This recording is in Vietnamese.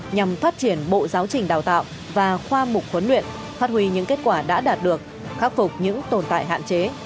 nhằm phát triển bộ giáo trình đào tạo và khoa mục huấn luyện phát huy những kết quả đã đạt được khắc phục những tồn tại hạn chế